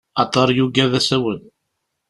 Aḍar yugad asawen.